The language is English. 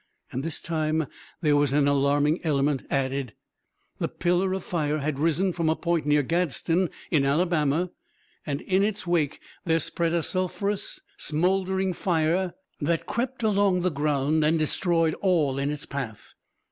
And, this time, there was an alarming added element. The pillar of fire had risen from a point near Gadsden in Alabama and, in its wake, there spread a sulphurous, smoldering fire that crept along the ground and destroyed all in its path.